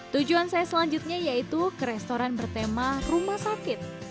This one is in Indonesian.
tujuan saya selanjutnya yaitu ke restoran bertema rumah sakit